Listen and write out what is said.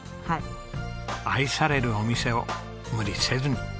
愛されるお店を無理せずに。